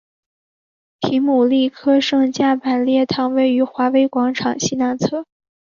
皮姆利科圣加百列堂位于华威广场西南侧。